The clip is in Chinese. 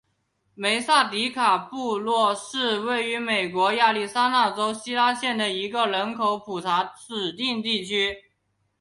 梅萨迪卡布洛是位于美国亚利桑那州希拉县的一个人口普查指定地区。